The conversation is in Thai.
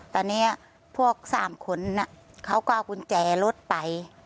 ตอนนี้พวก๓คนเขาก็เอากุญแจรถไป